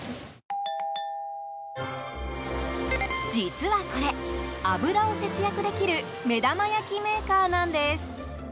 実はこれ、油を節約できる目玉焼きメーカーなんです。